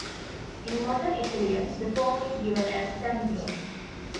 In modern Italian, the form is given as Zanclo.